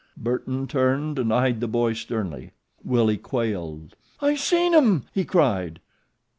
Burton turned and eyed the boy sternly. Willie quailed. "I seen 'em," he cried.